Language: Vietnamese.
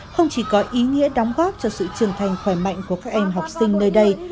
không chỉ có ý nghĩa đóng góp cho sự trưởng thành khỏe mạnh của các em học sinh nơi đây